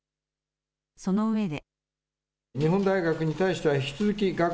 その上で。